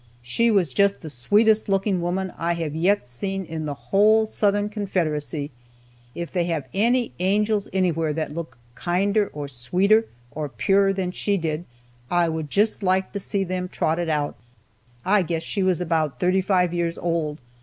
She was just the sweetest looking woman I have yet seen in the whole Southern Confederacy. If they have any angels anywhere that look kinder, or sweeter, or purer than she did, I would just like to see them trotted out. I guess she was about thirty five years old.